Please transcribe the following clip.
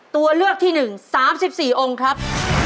ตัวเลือกที่๑๓๔องค์ครับ